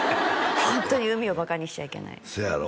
ホントに海をバカにしちゃいけないせやろ